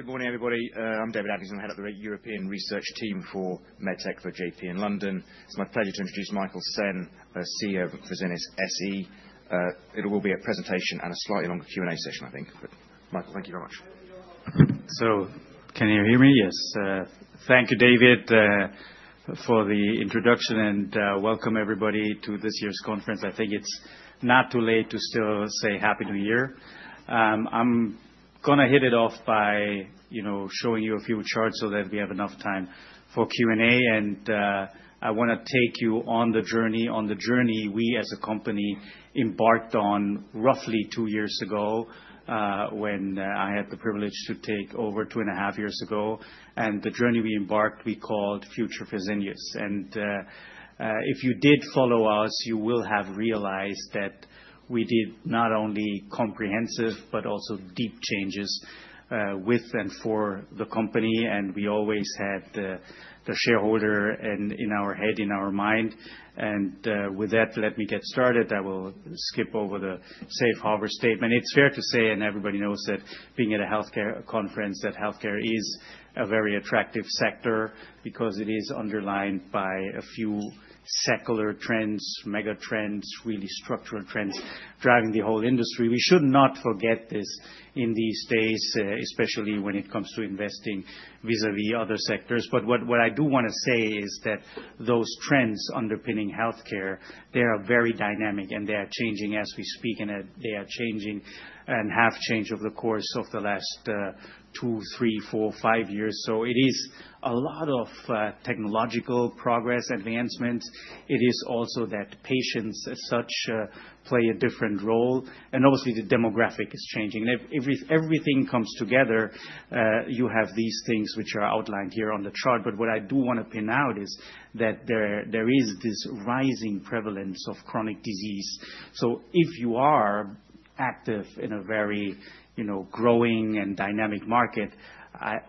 Good morning, everybody. I'm David Adlington, head of the European Research Team for MedTech for J.P. in London. It's my pleasure to introduce Michael Sen, CEO of Fresenius SE. It will be a presentation and a slightly longer Q&A session, I think. But Michael, thank you very much. So can you hear me? Yes. Thank you, David, for the introduction, and welcome everybody to this year's conference. I think it's not too late to still say happy new year. I'm going to hit it off by showing you a few charts so that we have enough time for Q&A. And I want to take you on the journey we as a company embarked on roughly two years ago when I had the privilege to take over two and a half years ago. And the journey we embarked, we called Future Fresenius. And if you did follow us, you will have realized that we did not only comprehensive but also deep changes with and for the company. And we always had the shareholder in our head, in our mind. And with that, let me get started. I will skip over the safe harbor statement. It's fair to say, and everybody knows that being at a health care conference, that health care is a very attractive sector because it is underlined by a few secular trends, megatrends, really structural trends driving the whole industry. We should not forget this in these days, especially when it comes to investing vis-à-vis other sectors. But what I do want to say is that those trends underpinning health care, they are very dynamic, and they are changing as we speak. And they are changing and have changed over the course of the last two, three, four, five years. So it is a lot of technological progress, advancement. It is also that patients as such play a different role. And obviously, the demographics are changing. And if everything comes together, you have these things which are outlined here on the chart. But what I do want to point out is that there is this rising prevalence of chronic disease. So if you are active in a very growing and dynamic market,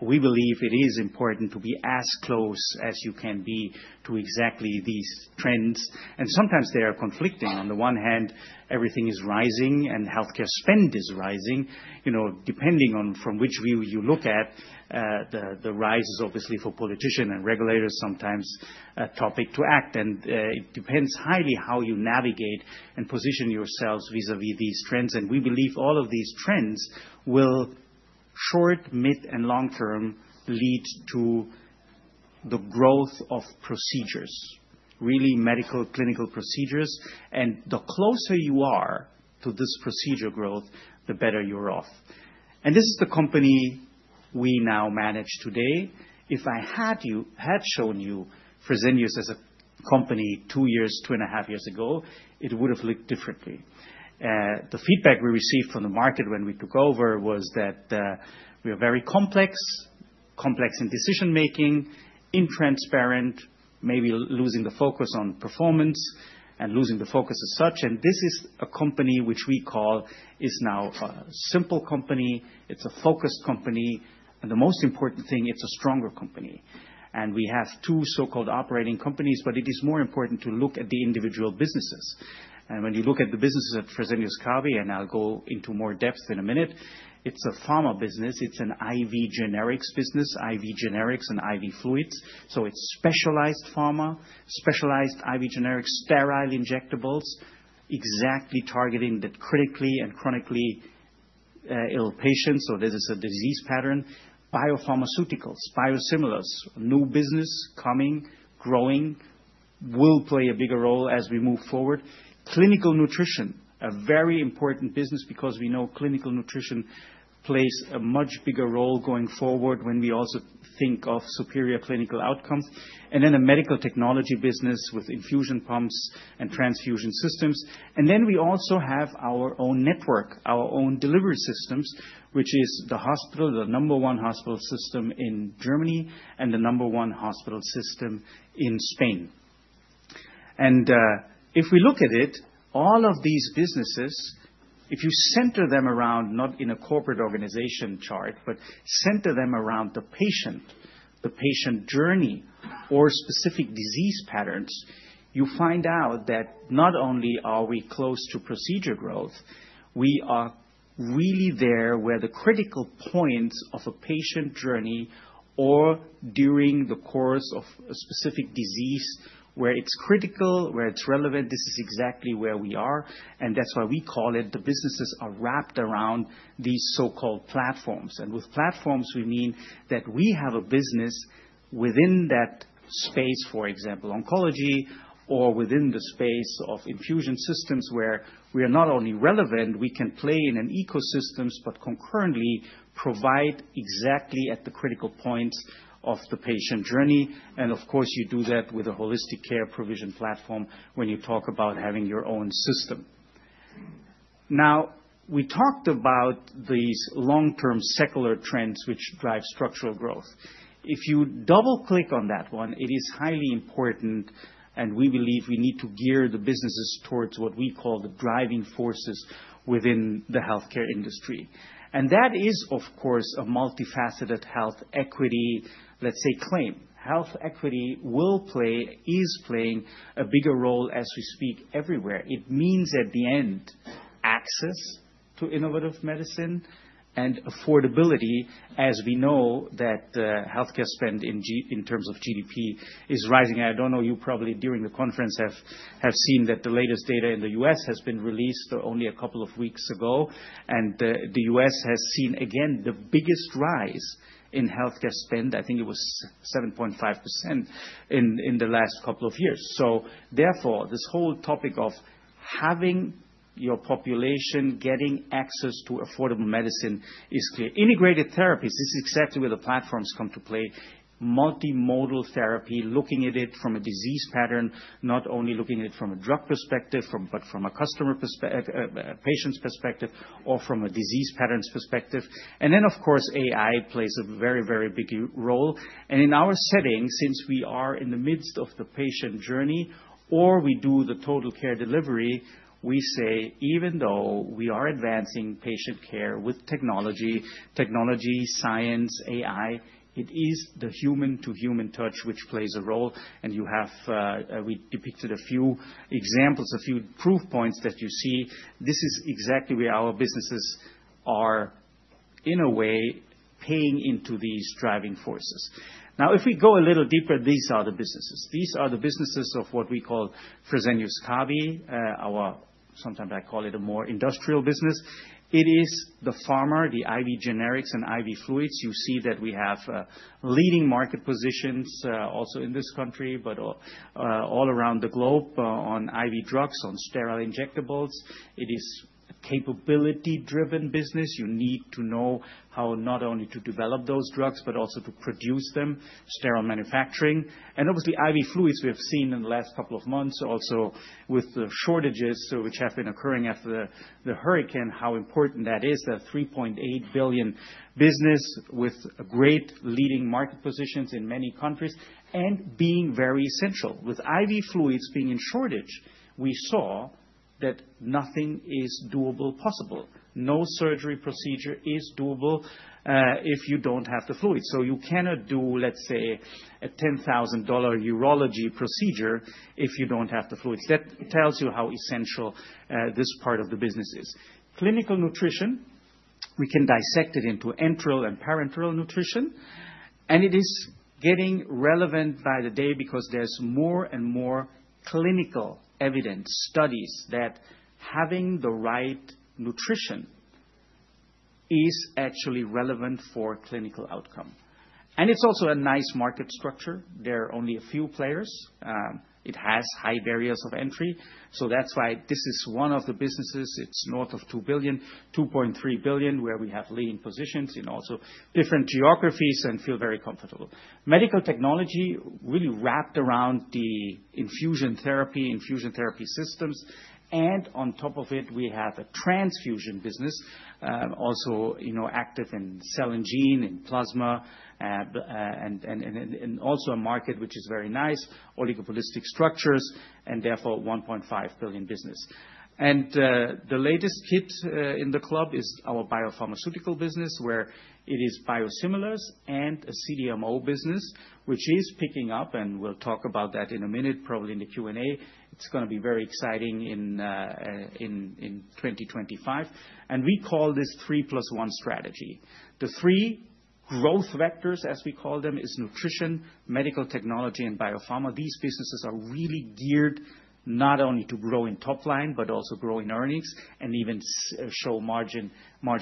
we believe it is important to be as close as you can be to exactly these trends. And sometimes they are conflicting. On the one hand, everything is rising, and health care spend is rising. Depending on from which view you look at, the rise is obviously for politicians and regulators sometimes a topic to act. And it depends highly how you navigate and position yourselves vis-à-vis these trends. And we believe all of these trends will, short, mid, and long term, lead to the growth of procedures, really medical clinical procedures. And the closer you are to this procedure growth, the better you're off. And this is the company we now manage today. If I had shown you Fresenius as a company two years, two and a half years ago, it would have looked differently. The feedback we received from the market when we took over was that we are very complex, complex in decision making, intransparent, maybe losing the focus on performance and losing the focus as such. And this is a company which we call is now a simple company. It's a focused company. And the most important thing, it's a stronger company. And we have two so-called operating companies, but it is more important to look at the individual businesses. And when you look at the businesses at Fresenius Kabi, and I'll go into more depth in a minute, it's a pharma business. It's an IV generics business, IV generics and IV fluids. So it's specialized pharma, specialized IV generics, sterile injectables exactly targeting the critically and chronically ill patients. So this is a disease pattern. Biopharmaceuticals, biosimilars, new business coming, growing, will play a bigger role as we move forward. Clinical nutrition, a very important business because we know clinical nutrition plays a much bigger role going forward when we also think of superior clinical outcomes. And then a medical technology business with infusion pumps and transfusion systems. And then we also have our own network, our own delivery systems, which is the hospital, the number one hospital system in Germany and the number one hospital system in Spain. If we look at it, all of these businesses, if you center them around not in a corporate organization chart, but center them around the patient, the patient journey, or specific disease patterns, you find out that not only are we close to procedure growth, we are really there where the critical points of a patient journey or during the course of a specific disease where it's critical, where it's relevant. This is exactly where we are. That's why we call it the businesses are wrapped around these so-called platforms. With platforms, we mean that we have a business within that space, for example, oncology or within the space of infusion systems where we are not only relevant, we can play in an ecosystem, but concurrently provide exactly at the critical points of the patient journey. Of course, you do that with a holistic care provision platform when you talk about having your own system. Now, we talked about these long-term secular trends which drive structural growth. If you double-click on that one, it is highly important, and we believe we need to gear the businesses towards what we call the driving forces within the health care industry. That is, of course, a multifaceted health equity, let's say, claim. Health equity will play, is playing a bigger role as we speak everywhere. It means at the end, access to innovative medicine and affordability, as we know that health care spend in terms of GDP is rising. I don't know, you probably during the conference have seen that the latest data in the U.S. has been released only a couple of weeks ago. And the U.S. has seen, again, the biggest rise in health care spend. I think it was 7.5% in the last couple of years. So therefore, this whole topic of having your population getting access to affordable medicine is clear. Integrated therapies, this is exactly where the platforms come to play. Multimodal therapy, looking at it from a disease pattern, not only looking at it from a drug perspective, but from a customer perspective, a patient's perspective, or from a disease patterns perspective. And then, of course, AI plays a very, very big role. And in our setting, since we are in the midst of the patient journey or we do the total care delivery, we say, even though we are advancing patient care with technology, technology, science, AI, it is the human-to-human touch which plays a role. And we depicted a few examples, a few proof points that you see. This is exactly where our businesses are, in a way, paying into these driving forces. Now, if we go a little deeper, these are the businesses. These are the businesses of what we call Fresenius Kabi. Sometimes I call it a more industrial business. It is the pharma, the IV generics and IV fluids. You see that we have leading market positions also in this country, but all around the globe on IV drugs, on sterile injectables. It is a capability-driven business. You need to know how not only to develop those drugs, but also to produce them, sterile manufacturing. And obviously, IV fluids, we have seen in the last couple of months also with the shortages which have been occurring after the hurricane, how important that is. That 3.8 billion business with great leading market positions in many countries and being very essential. With IV fluids being in shortage, we saw that nothing is possible. No surgery procedure is doable if you don't have the fluids. So you cannot do, let's say, a $10,000 urology procedure if you don't have the fluids. That tells you how essential this part of the business is. Clinical nutrition, we can dissect it into enteral and parenteral nutrition. And it is getting relevant by the day because there's more and more clinical evidence, studies that having the right nutrition is actually relevant for clinical outcome. And it's also a nice market structure. There are only a few players. It has high barriers of entry. So that's why this is one of the businesses. It's north of 2 billion, 2.3 billion, where we have leading positions in also different geographies and feel very comfortable. Medical technology really wrapped around the infusion therapy, infusion therapy systems, and on top of it, we have a transfusion business, also active in cell and gene and plasma, and also a market which is very nice, oligopolistic structures, and therefore 1.5 billion business, and the latest kid in the club is our biopharmaceutical business, where it is biosimilars and a CDMO business, which is picking up, and we'll talk about that in a minute, probably in the Q&A. It's going to be very exciting in 2025, and we call this three plus one strategy. The three growth vectors, as we call them, is nutrition, medical technology, and biopharma. These businesses are really geared not only to grow in top line, but also grow in earnings and even show margin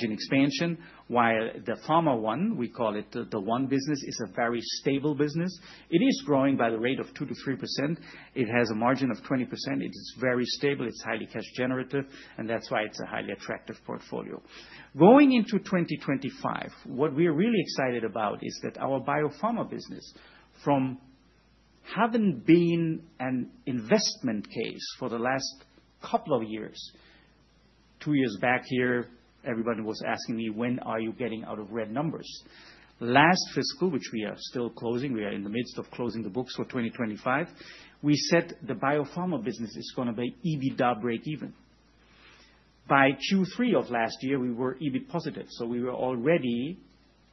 expansion. While the pharma one, we call it the one business, is a very stable business. It is growing by the rate of 2%-3%. It has a margin of 20%. It is very stable. It's highly cash generative. And that's why it's a highly attractive portfolio. Going into 2025, what we are really excited about is that our biopharma business, from having been an investment case for the last couple of years, two years back here, everybody was asking me, when are you getting out of red numbers? Last fiscal, which we are still closing, we are in the midst of closing the books for 2025, we said the biopharma business is going to be EBITDA break-even. By Q3 of last year, we were EBIT positive. So we were already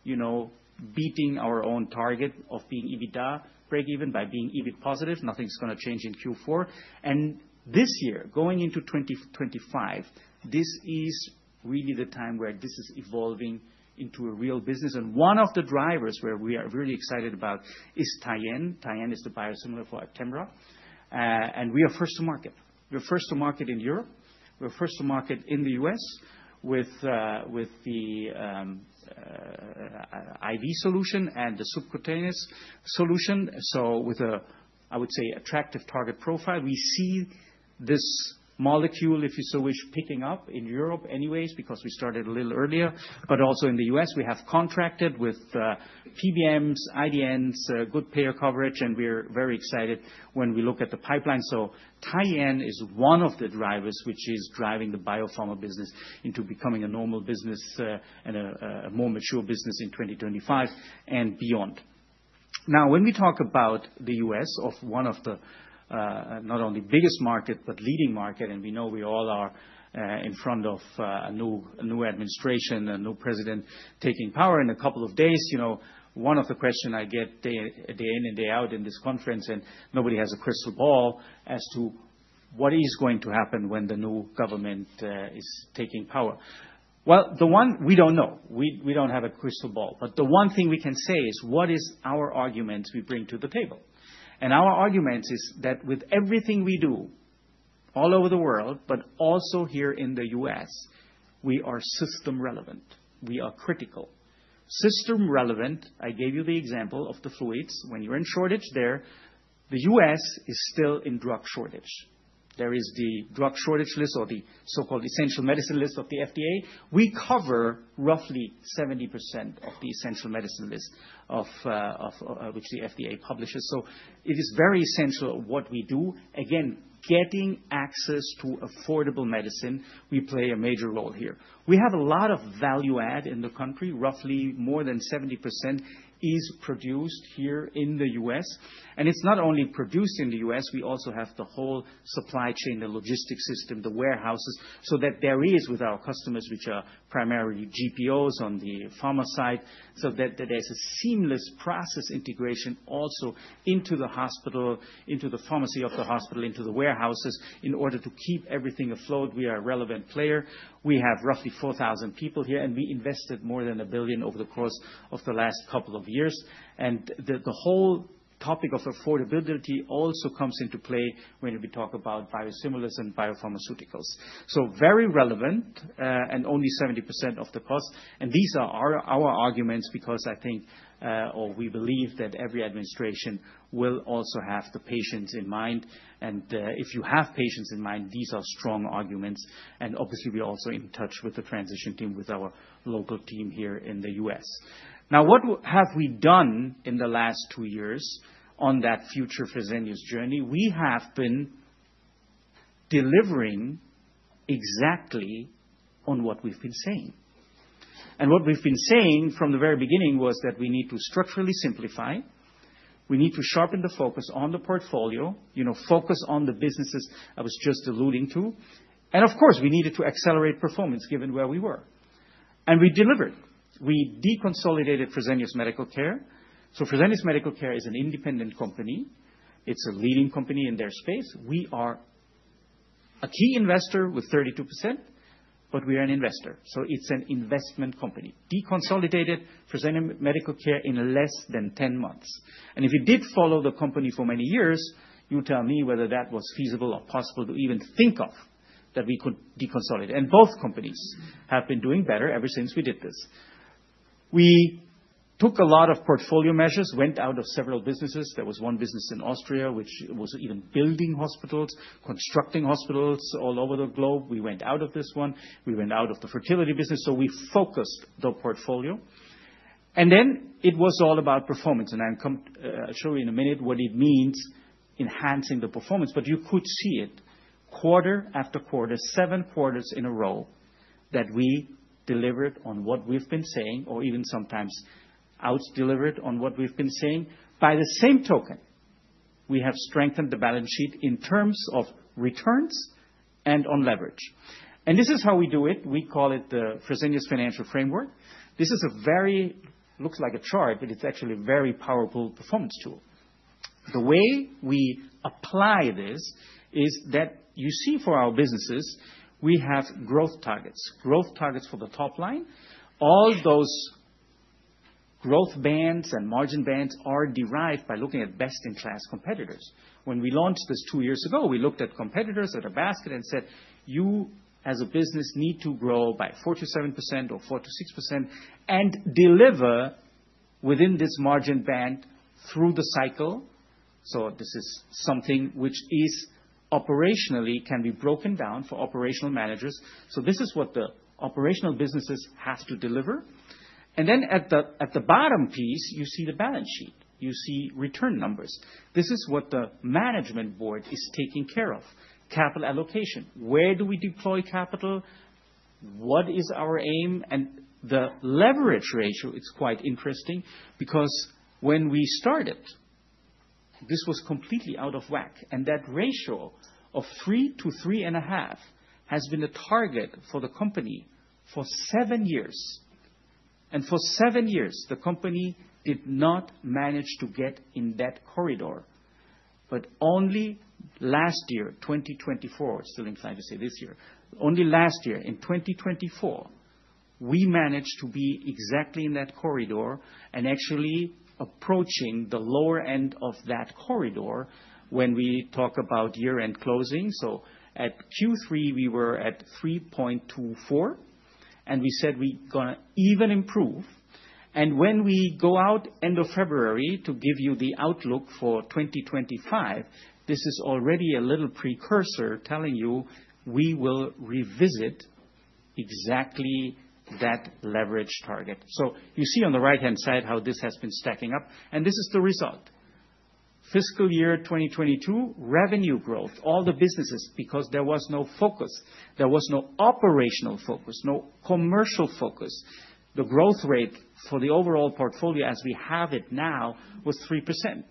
beating our own target of being EBITDA break-even by being EBIT positive. Nothing's going to change in Q4. And this year, going into 2025, this is really the time where this is evolving into a real business. And one of the drivers where we are really excited about is Tyenne. Tyenne is the biosimilar for Actemra. And we are first to market. We're first to market in Europe. We're first to market in the U.S. with the IV solution and the subcutaneous solution. So with a, I would say, attractive target profile, we see this molecule, if you so wish, picking up in Europe anyways because we started a little earlier. But also in the U.S., we have contracted with PBMs, IDNs, good payer coverage. And we're very excited when we look at the pipeline. Tyenne is one of the drivers which is driving the biopharma business into becoming a normal business and a more mature business in 2025 and beyond. Now, when we talk about the U.S. of one of the not only biggest market, but leading market, and we know we all are in front of a new administration and a new president taking power in a couple of days, one of the questions I get day in and day out in this conference, and nobody has a crystal ball as to what is going to happen when the new government is taking power. Well, the one we don't know. We don't have a crystal ball. But the one thing we can say is what is our argument we bring to the table. Our argument is that with everything we do all over the world, but also here in the U.S., we are system relevant. We are critical. System relevant, I gave you the example of the fluids. When you're in shortage there, the U.S. is still in drug shortage. There is the drug shortage list or the so-called essential medicine list of the FDA. We cover roughly 70% of the essential medicine list of which the FDA publishes. So it is very essential what we do. Again, getting access to affordable medicine, we play a major role here. We have a lot of value add in the country. Roughly more than 70% is produced here in the U.S. It's not only produced in the U.S. We also have the whole supply chain, the logistics system, the warehouses, so that there is with our customers, which are primarily GPOs on the pharma side, so that there's a seamless process integration also into the hospital, into the pharmacy of the hospital, into the warehouses in order to keep everything afloat. We are a relevant player. We have roughly 4,000 people here, and we invested more than 1 billion over the course of the last couple of years. The whole topic of affordability also comes into play when we talk about biosimilars and biopharmaceuticals, so very relevant and only 70% of the cost. These are our arguments because I think, or we believe that every administration will also have the patients in mind. If you have patients in mind, these are strong arguments. And obviously, we're also in touch with the transition team with our local team here in the U.S. Now, what have we done in the last two years on that Future Fresenius journey? We have been delivering exactly on what we've been saying. And what we've been saying from the very beginning was that we need to structurally simplify. We need to sharpen the focus on the portfolio, focus on the businesses I was just alluding to. And of course, we needed to accelerate performance given where we were. And we delivered. We deconsolidated Fresenius Medical Care. So Fresenius Medical Care is an independent company. It's a leading company in their space. We are a key investor with 32%, but we are an investor. So it's an investment company. Deconsolidated Fresenius Medical Care in less than 10 months. And if you did follow the company for many years, you'll tell me whether that was feasible or possible to even think of that we could deconsolidate. And both companies have been doing better ever since we did this. We took a lot of portfolio measures, went out of several businesses. There was one business in Austria which was even building hospitals, constructing hospitals all over the globe. We went out of this one. We went out of the fertility business. So we focused the portfolio. And then it was all about performance. And I'll show you in a minute what it means enhancing the performance. But you could see it quarter after quarter, seven quarters in a row that we delivered on what we've been saying, or even sometimes outdelivered on what we've been saying. By the same token, we have strengthened the balance sheet in terms of returns and on leverage. And this is how we do it. We call it the Fresenius Financial Framework. This very much looks like a chart, but it's actually a very powerful performance tool. The way we apply this is that you see for our businesses, we have growth targets, growth targets for the top line. All those growth bands and margin bands are derived by looking at best-in-class competitors. When we launched this two years ago, we looked at competitors at a basket and said, "You as a business need to grow by 4%-7% or 4%-6% and deliver within this margin band through the cycle." So this is something which operationally can be broken down for operational managers. So this is what the operational businesses have to deliver. Then at the bottom piece, you see the balance sheet. You see return numbers. This is what the management board is taking care of: capital allocation. Where do we deploy capital? What is our aim? The leverage ratio, it's quite interesting because when we started, this was completely out of whack. That ratio of 3%-3.5% has been a target for the company for seven years. For seven years, the company did not manage to get in that corridor. Only last year, 2024, still inclined to say this year, only last year in 2024, we managed to be exactly in that corridor and actually approaching the lower end of that corridor when we talk about year-end closing. At Q3, we were at 3.24%. We said we're going to even improve. And when we go out end of February to give you the outlook for 2025, this is already a little precursor telling you we will revisit exactly that leverage target. So you see on the right-hand side how this has been stacking up. And this is the result. Fiscal year 2022, revenue growth, all the businesses, because there was no focus, there was no operational focus, no commercial focus. The growth rate for the overall portfolio as we have it now was 3%.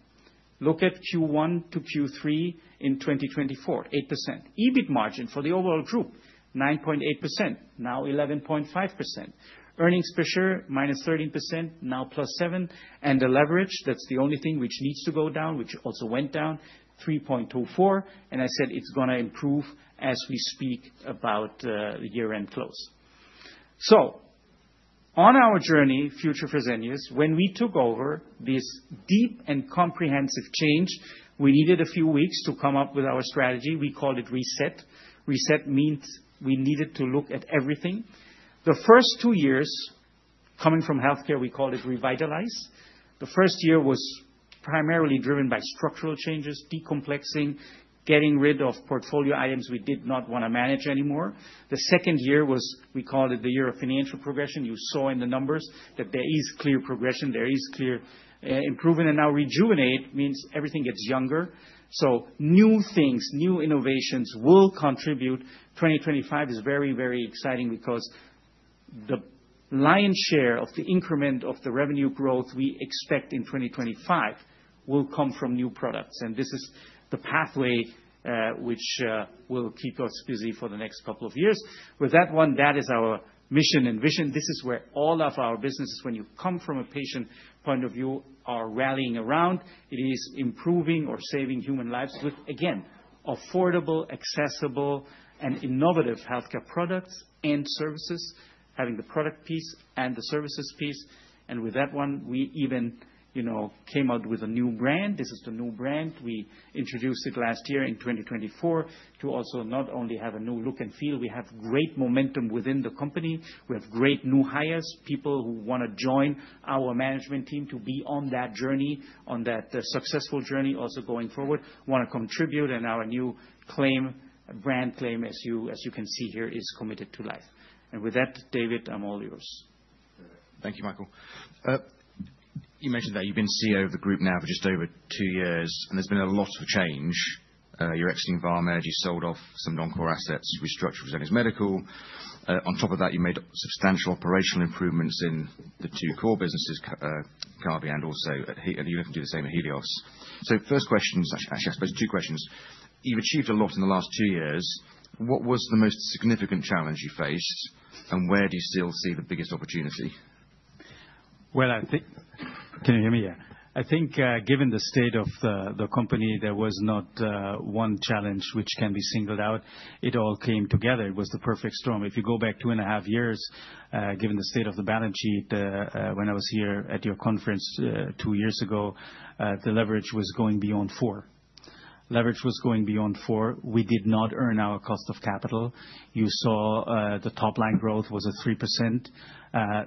Look at Q1 to Q3 in 2024, 8%. EBIT margin for the overall group, 9.8%, now 11.5%. Earnings per share, minus 13%, now plus 7%. And the leverage, that's the only thing which needs to go down, which also went down, 3.24%. And I said it's going to improve as we speak about the year-end close. So on our journey, Future Fresenius, when we took over this deep and comprehensive change, we needed a few weeks to come up with our strategy. We called it RESET. RESET means we needed to look at everything. The first two years coming from healthcare, we called it revitalize. The first year was primarily driven by structural changes, decomplexing, getting rid of portfolio items we did not want to manage anymore. The second year was, we called it the year of financial progression. You saw in the numbers that there is clear progression, there is clear improvement. And now Rejuvenate means everything gets younger. So new things, new innovations will contribute. 2025 is very, very exciting because the lion's share of the increment of the revenue growth we expect in 2025 will come from new products. This is the pathway which will keep us busy for the next couple of years. With that one, that is our mission and vision. This is where all of our businesses, when you come from a patient point of view, are rallying around. It is improving or saving human lives with, again, affordable, accessible, and innovative healthcare products and services, having the product piece and the services piece. And with that one, we even came out with a new brand. This is the new brand. We introduced it last year in 2024 to also not only have a new look and feel, we have great momentum within the company. We have great new hires, people who want to join our management team to be on that journey, on that successful journey also going forward, want to contribute. Our new claim, brand claim, as you can see here, is committed to life. With that, David, I'm all yours. Thank you, Michael. You mentioned that you've been CEO of the group now for just over two years, and there's been a lot of change. You're exiting Pharma Energy, sold off some non-core assets, restructured Fresenius Medical. On top of that, you made substantial operational improvements in the two core businesses, Kabi and also Helios. You can do the same at Helios. First question, actually, I suppose two questions. You've achieved a lot in the last two years. What was the most significant challenge you faced, and where do you still see the biggest opportunity? Can you hear me? Yeah. I think given the state of the company, there was not one challenge which can be singled out. It all came together. It was the perfect storm. If you go back two and a half years, given the state of the balance sheet when I was here at your conference two years ago, the leverage was going beyond four. Leverage was going beyond four. We did not earn our cost of capital. You saw the top line growth was at 3%.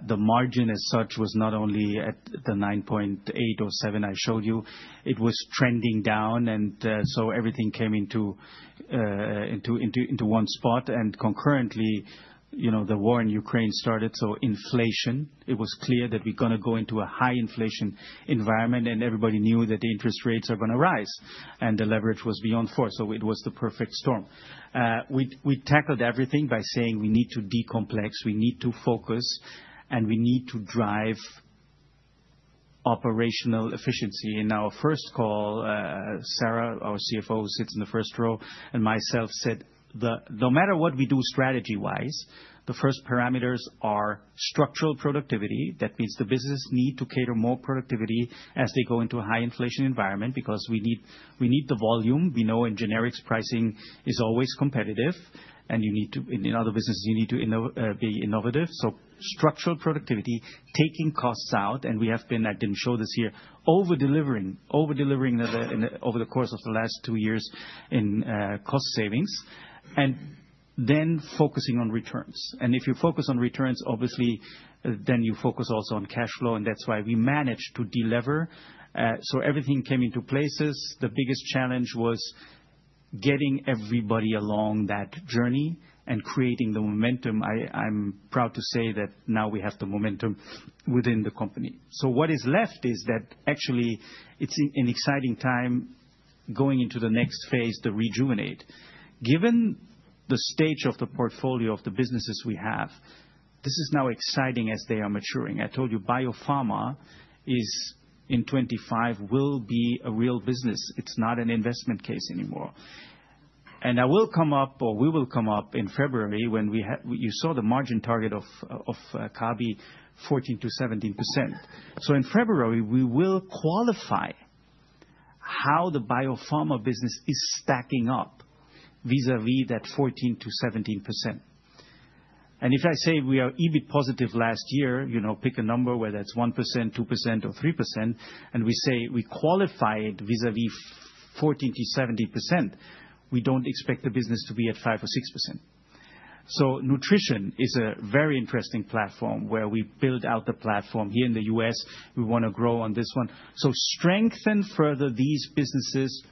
The margin as such was not only at the 9.8% or 7% I showed you. It was trending down, and so everything came into one spot, and concurrently, the war in Ukraine started. So inflation, it was clear that we're going to go into a high inflation environment, and everybody knew that the interest rates are going to rise, and the leverage was beyond four. So it was the perfect storm. We tackled everything by saying we need to decomplex, we need to focus, and we need to drive operational efficiency. In our first call, Sarah, our CFO, sits in the first row, and myself said, "No matter what we do strategy-wise, the first parameters are structural productivity. That means the business needs to cater more productivity as they go into a high inflation environment because we need the volume. We know in generics, pricing is always competitive. And in other businesses, you need to be innovative. So structural productivity, taking costs out. And we have been, I didn't show this here, overdelivering over the course of the last two years in cost savings, and then focusing on returns. And if you focus on returns, obviously, then you focus also on cash flow. And that's why we managed to deliver. So everything came into places. The biggest challenge was getting everybody along that journey and creating the momentum. I'm proud to say that now we have the momentum within the company. What is left is that actually it's an exciting time going into the next phase, the Rejuvenate. Given the stage of the portfolio of the businesses we have, this is now exciting as they are maturing. I told you biopharma in 2025 will be a real business. It's not an investment case anymore. And I will come up, or we will come up in February when you saw the margin target of Kabi, 14%-17%. So in February, we will qualify how the biopharma business is stacking up vis-à-vis that 14%-17%. And if I say we are EBIT positive last year, pick a number, whether it's 1%, 2%, or 3%, and we say we qualify it vis-à-vis 14%-17%, we don't expect the business to be at 5% or 6%. So nutrition is a very interesting platform where we build out the platform. Here in the U.S., we want to grow on this one, so strengthen further these businesses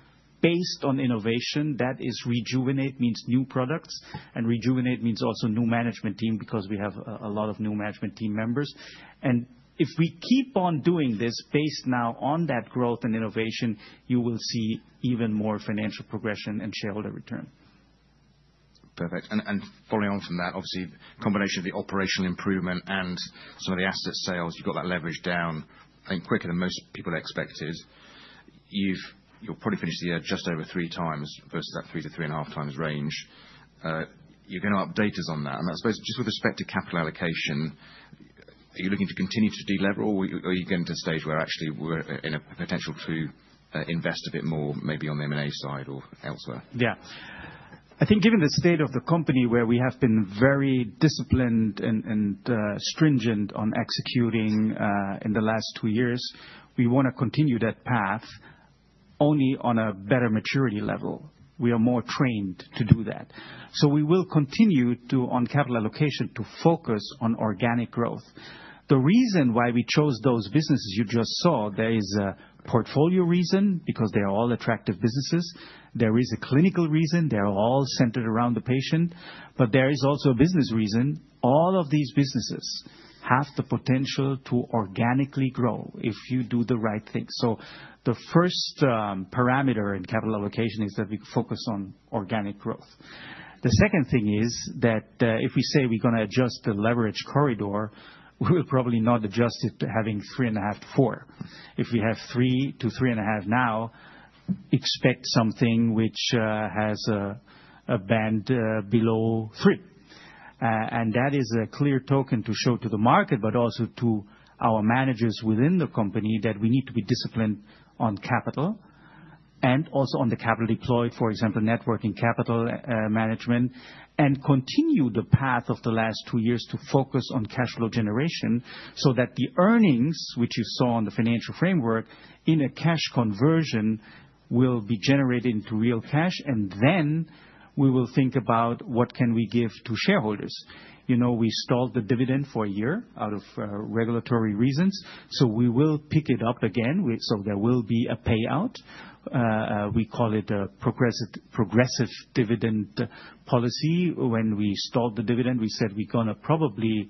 based on innovation. That is, Rejuvenate means new products, and Rejuvenate means also new management team because we have a lot of new management team members. And if we keep on doing this based now on that growth and innovation, you will see even more financial progression and shareholder return. Perfect. And following on from that, obviously, combination of the operational improvement and some of the asset sales, you've got that leverage down, I think, quicker than most people expected. You've probably finished the year just over three times versus that three to three and a half times range. You're going to update us on that. I suppose just with respect to capital allocation, are you looking to continue to deliberate, or are you getting to a stage where actually we're in a potential to invest a bit more, maybe on the M&A side or elsewhere? Yeah. I think given the state of the company where we have been very disciplined and stringent on executing in the last two years, we want to continue that path only on a better maturity level. We are more trained to do that. So we will continue on capital allocation to focus on organic growth. The reason why we chose those businesses you just saw, there is a portfolio reason because they are all attractive businesses. There is a clinical reason. They are all centered around the patient. But there is also a business reason. All of these businesses have the potential to organically grow if you do the right thing. So the first parameter in capital allocation is that we focus on organic growth. The second thing is that if we say we're going to adjust the leverage corridor, we will probably not adjust it to having 3.5-4. If we have 3-3.5 now, expect something which has a band below 3. That is a clear token to show to the market, but also to our managers within the company that we need to be disciplined on capital and also on the capital deployed, for example, net working capital management, and continue the path of the last two years to focus on cash flow generation so that the earnings, which you saw on the financial framework, in a cash conversion will be generated into real cash. And then we will think about what can we give to shareholders. We stalled the dividend for a year out of regulatory reasons. So we will pick it up again so there will be a payout. We call it a progressive dividend policy. When we stalled the dividend, we said we're going to probably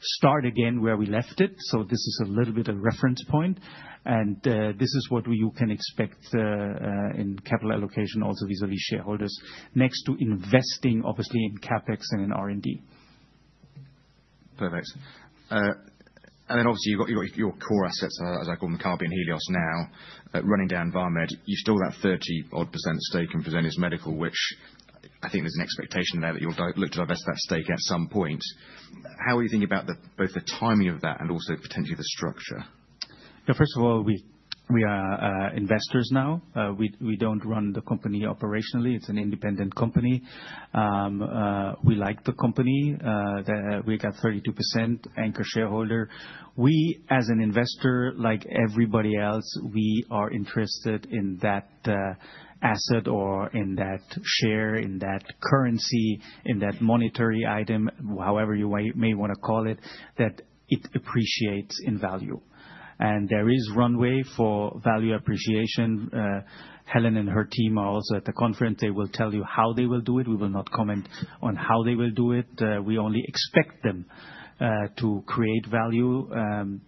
start again where we left it. So this is a little bit of reference point. This is what you can expect in capital allocation also vis-à-vis shareholders next to investing, obviously, in CapEx and in R&D. Perfect. And then obviously, you've got your core assets, as I call them, the Kabi and Helios now, running down Vamed. You've still got that 30-odd% stake in Fresenius Medical, which I think there's an expectation there that you'll look to divest that stake at some point. How are you thinking about both the timing of that and also potentially the structure? First of all, we are investors now. We don't run the company operationally. It's an independent company. We like the company. We got 32%, anchor shareholder. We, as an investor, like everybody else, we are interested in that asset or in that share, in that currency, in that monetary item, however you may want to call it, that it appreciates in value. There is runway for value appreciation. Helen and her team are also at the conference. They will tell you how they will do it. We will not comment on how they will do it. We only expect them to create value.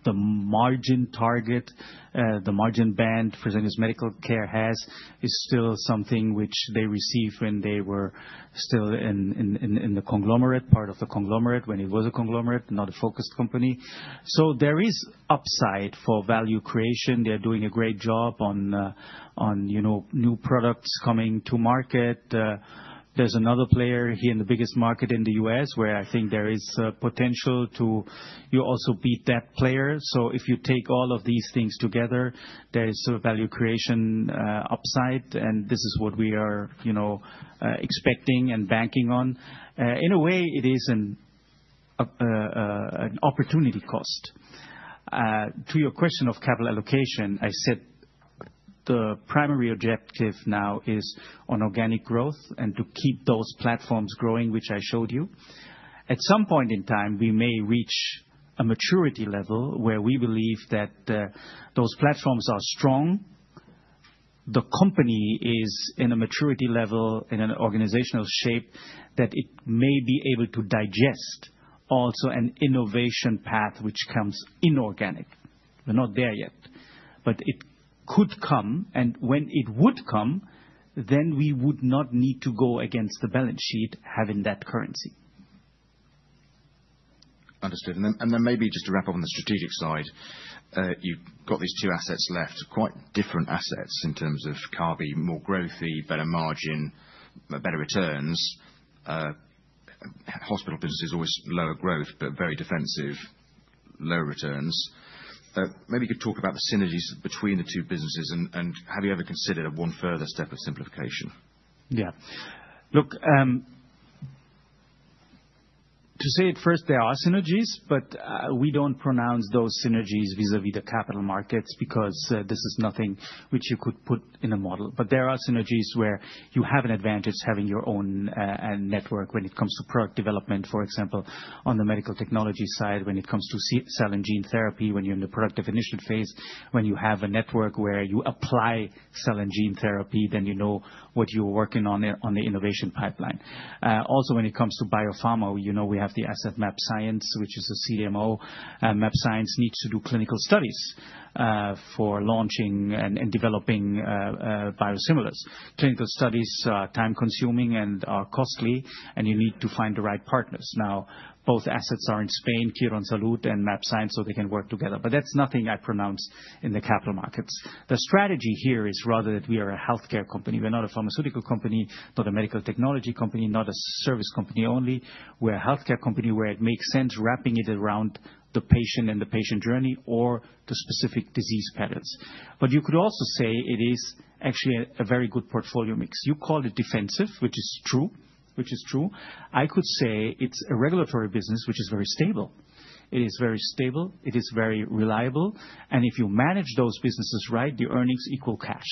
The margin target, the margin band Fresenius Medical Care has, is still something which they received when they were still in the conglomerate, part of the conglomerate when it was a conglomerate, not a focused company. There is upside for value creation. They're doing a great job on new products coming to market. There's another player here in the biggest market in the U.S. where I think there is potential to also beat that player. If you take all of these things together, there is a value creation upside. This is what we are expecting and banking on. In a way, it is an opportunity cost. To your question of capital allocation, I said the primary objective now is on organic growth and to keep those platforms growing, which I showed you. At some point in time, we may reach a maturity level where we believe that those platforms are strong. The company is in a maturity level in an organizational shape that it may be able to digest also an innovation path which comes inorganic. We're not there yet, but it could come. And when it would come, then we would not need to go against the balance sheet having that currency. Understood. And then maybe just to wrap up on the strategic side, you've got these two assets left, quite different assets in terms of Kabi, more growth, better margin, better returns. Hospital business is always lower growth, but very defensive, lower returns. Maybe you could talk about the synergies between the two businesses and have you ever considered one further step of simplification? Yeah. Look, to say it first, there are synergies, but we don't pronounce those synergies vis-à-vis the capital markets because this is nothing which you could put in a model, but there are synergies where you have an advantage having your own network when it comes to product development, for example, on the medical technology side, when it comes to cell and gene therapy, when you're in the product definition phase, when you have a network where you apply cell and gene therapy, then you know what you're working on on the innovation pipeline. Also, when it comes to biopharma, we have the asset mAbxience, which is a CDMO. mAbxience needs to do clinical studies for launching and developing biosimilars. Clinical studies are time-consuming and are costly, and you need to find the right partners. Now, both assets are in Spain, Quirónsalud, and mAbxience, so they can work together. But that's nothing I pronounce in the capital markets. The strategy here is rather that we are a healthcare company. We're not a pharmaceutical company, not a medical technology company, not a service company only. We're a healthcare company where it makes sense wrapping it around the patient and the patient journey or the specific disease patterns. But you could also say it is actually a very good portfolio mix. You call it defensive, which is true, which is true. I could say it's a regulatory business, which is very stable. It is very stable. It is very reliable. And if you manage those businesses right, the earnings equal cash.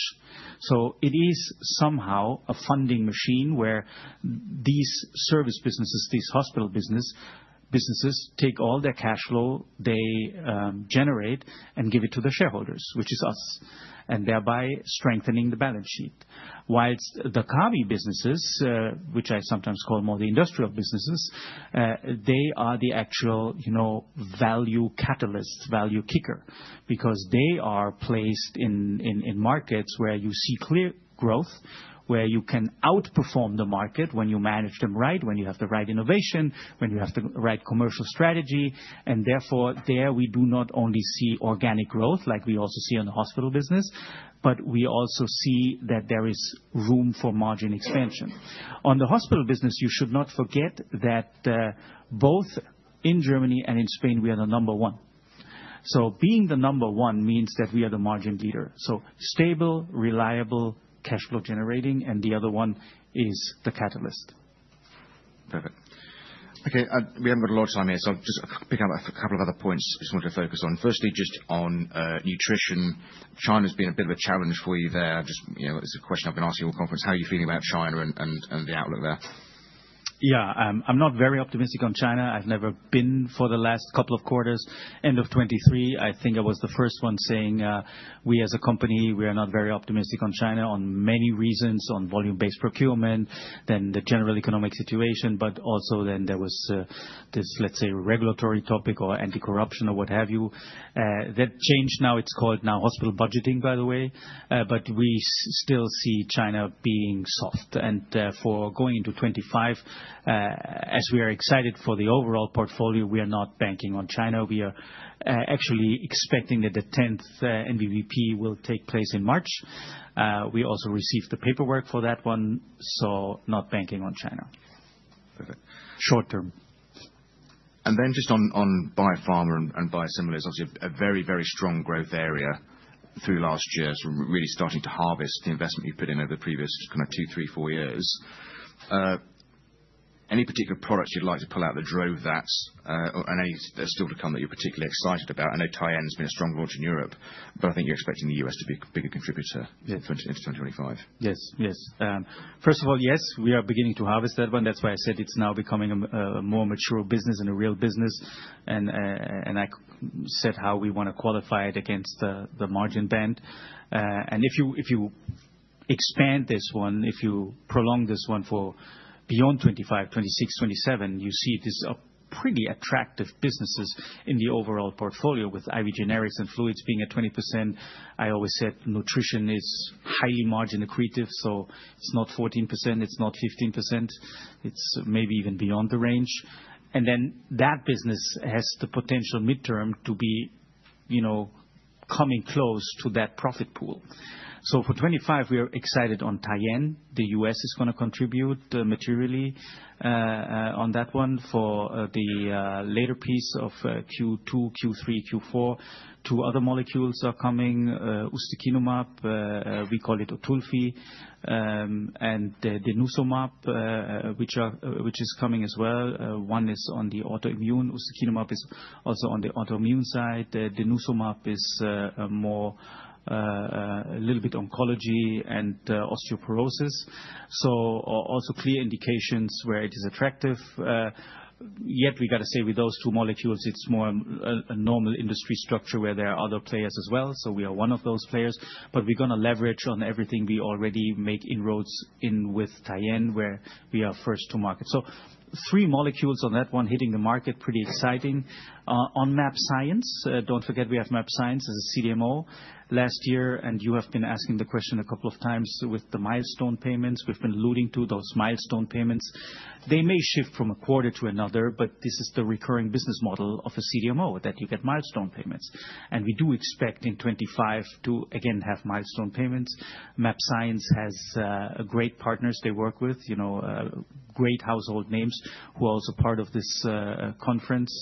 So it is somehow a funding machine where these service businesses, these hospital businesses take all their cash flow they generate and give it to the shareholders, which is us, and thereby strengthening the balance sheet. Whilst the Kabi businesses, which I sometimes call more the industrial businesses, they are the actual value catalyst, value kicker, because they are placed in markets where you see clear growth, where you can outperform the market when you manage them right, when you have the right innovation, when you have the right commercial strategy. And therefore, there we do not only see organic growth like we also see in the hospital business, but we also see that there is room for margin expansion. On the hospital business, you should not forget that both in Germany and in Spain, we are the number one. Being the number one means that we are the margin leader. Stable, reliable, cash flow generating, and the other one is the catalyst. Perfect. Okay. We haven't got a lot of time here, so I'll just pick up a couple of other points I just wanted to focus on. Firstly, just on nutrition, China has been a bit of a challenge for you there. It's a question I've been asking all conference. How are you feeling about China and the outlook there? Yeah, I'm not very optimistic on China. I've never been for the last couple of quarters, end of 2023. I think I was the first one saying we as a company, we are not very optimistic on China on many reasons, on volume-based procurement, then the general economic situation, but also then there was this, let's say, regulatory topic or anti-corruption or what have you. That changed now. It's called now hospital budgeting, by the way. But we still see China being soft. And therefore, going into 2025, as we are excited for the overall portfolio, we are not banking on China. We are actually expecting that the 10th NVVP will take place in March. We also received the paperwork for that one. So not banking on China short term. And then just on biopharma and biosimilars, obviously a very, very strong growth area through last year, so really starting to harvest the investment you put in over the previous kind of two, three, four years. Any particular products you'd like to pull out that drove that, and any still to come that you're particularly excited about? I know Tyenne has been a strong launch in Europe, but I think you're expecting the US to be a bigger contributor into 2025. Yes, yes. First of all, yes, we are beginning to harvest that one. That's why I said it's now becoming a more mature business and a real business. And I said how we want to qualify it against the margin band. And if you expand this one, if you prolong this one for beyond 2025, 2026, 2027, you see these are pretty attractive businesses in the overall portfolio with IV generics and fluids being at 20%. I always said nutrition is highly margin accretive, so it's not 14%, it's not 15%. It's maybe even beyond the range. And then that business has the potential midterm to be coming close to that profit pool. So for 2025, we are excited on Tyenne. The U.S. is going to contribute materially on that one for the later piece of Q2, Q3, Q4. Two other molecules are coming, Ustekinumab, we call it OTULFI, and Denosumab, which is coming as well. One is on the autoimmune. Ustekinumab is also on the autoimmune side. Denosumab is a little bit oncology and osteoporosis. So also clear indications where it is attractive. Yet we got to say with those two molecules, it's more a normal industry structure where there are other players as well. So we are one of those players. But we're going to leverage on everything we already make inroads in with Tyenne, where we are first to market. So three molecules on that one hitting the market, pretty exciting. On mAbxience, don't forget we have mAbxience as a CDMO last year, and you have been asking the question a couple of times with the milestone payments. We've been alluding to those milestone payments. They may shift from a quarter to another, but this is the recurring business model of a CDMO that you get milestone payments. And we do expect in 2025 to again have milestone payments. mAbxience has great partners they work with, great household names who are also part of this conference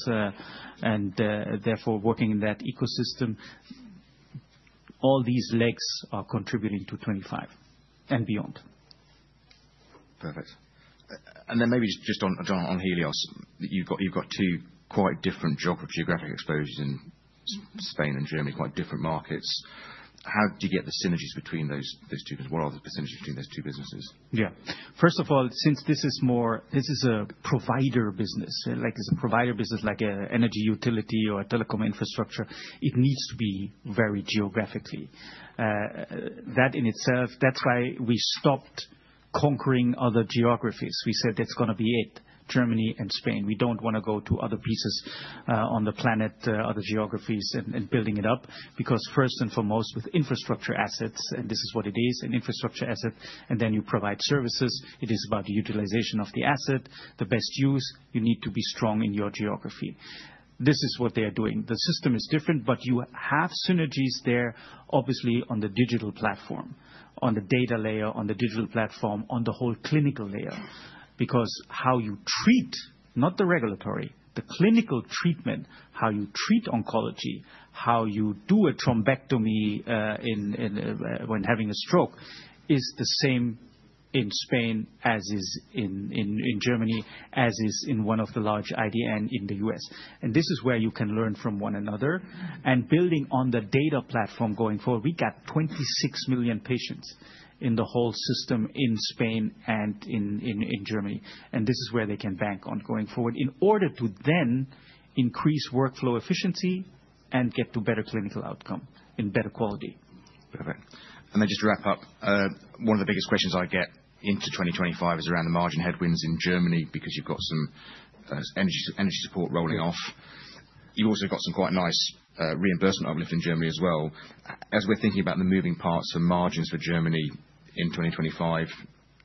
and therefore working in that ecosystem. All these legs are contributing to 2025 and beyond. Perfect. And then maybe just on Helios, you've got two quite different geographic exposures in Spain and Germany, quite different markets. How do you get the synergies between those two? What are the synergies between those two businesses? Yeah. First of all, since this is a provider business, like it's a provider business, like an energy utility or a telecom infrastructure, it needs to be very geographically. That in itself, that's why we stopped conquering other geographies. We said that's going to be it, Germany and Spain. We don't want to go to other pieces on the planet, other geographies and building it up because first and foremost with infrastructure assets, and this is what it is, an infrastructure asset, and then you provide services, it is about the utilization of the asset, the best use. You need to be strong in your geography. This is what they are doing. The system is different, but you have synergies there, obviously, on the digital platform, on the data layer, on the digital platform, on the whole clinical layer, because how you treat, not the regulatory, the clinical treatment, how you treat oncology, how you do a thrombectomy when having a stroke is the same in Spain as is in Germany, as is in one of the large IDN in the U.S. This is where you can learn from one another. Building on the data platform going forward, we got 26 million patients in the whole system in Spain and in Germany. This is where they can bank on going forward in order to then increase workflow efficiency and get to better clinical outcome in better quality. Perfect. Then just to wrap up, one of the biggest questions I get into 2025 is around the margin headwinds in Germany because you've got some energy support rolling off. You've also got some quite nice reimbursement uplift in Germany as well. As we're thinking about the moving parts for margins for Germany in 2025,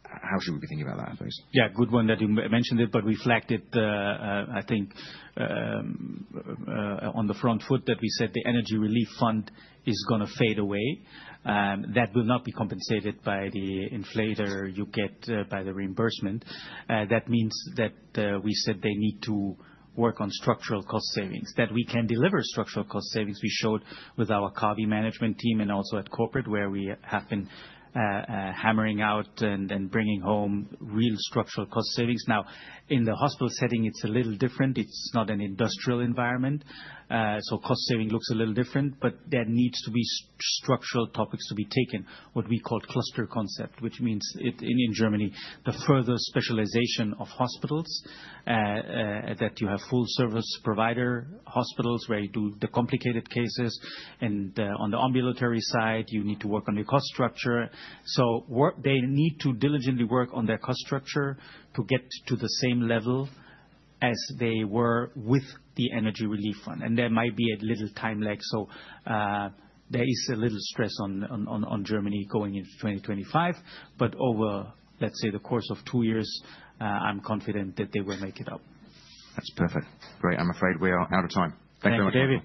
how should we be thinking about that, I suppose? Yeah, good one that you mentioned it, but reflect it, I think, on the front foot that we said the energy relief fund is going to fade away. That will not be compensated by the inflation you get by the reimbursement. That means that we said they need to work on structural cost savings, that we can deliver structural cost savings. We showed with our Kabi management team and also at corporate where we have been hammering out and bringing home real structural cost savings. Now, in the hospital setting, it's a little different. It's not an industrial environment. So cost saving looks a little different, but there needs to be structural topics to be taken, what we call cluster concept, which means in Germany, the further specialization of hospitals that you have full service provider hospitals where you do the complicated cases. On the ambulatory side, you need to work on your cost structure. They need to diligently work on their cost structure to get to the same level as they were with the energy relief fund. There might be a little time lag. There is a little stress on Germany going into 2025, but over, let's say, the course of two years, I'm confident that they will make it up. That's perfect. Great. I'm afraid we are out of time. Thanks very much.